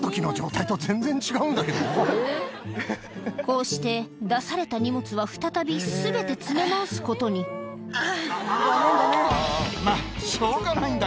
こうして出された荷物は再び全て詰め直すことにあっごめんごめん。